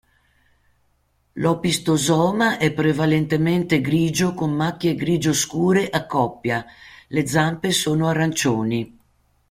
L'opistosoma è prevalentemente grigio con macchie grigio scure a coppia; le zampe sono arancioni.